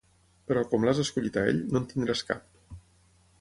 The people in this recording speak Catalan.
Però, com l'has escollit a ell, no en tindràs a cap.